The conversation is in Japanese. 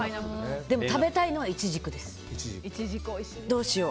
でも、食べたいのはいちじくです。